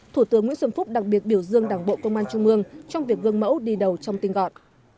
thủ tướng nguyễn xuân phúc đặc biệt biểu dương đảng bộ công an trung ương trong việc gương mẫu đi đầu trong tinh gọn